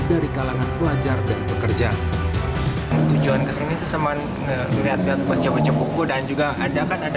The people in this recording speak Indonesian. dari kalangan pelajar dan pekerja tujuan kesini semua melihat baca baca buku dan juga ada kan ada